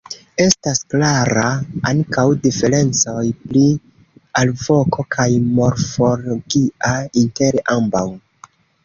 Estas klara ankaŭ diferencoj pri alvoko kaj morfologia inter ambaŭ.